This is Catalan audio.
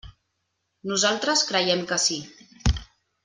Nosaltres creiem que sí.